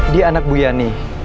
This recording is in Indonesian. dia anak bu yani